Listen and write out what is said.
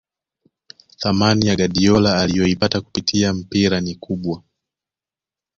Thamani ya Guardiola aliyoipata kupitia mpira ni kubwa